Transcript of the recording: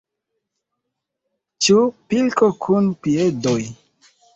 Ĉu pilko kun piedoj?